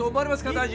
大臣！